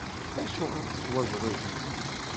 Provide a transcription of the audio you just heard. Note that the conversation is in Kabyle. Acuɣer i teḥwaǧeḍ ajenwi?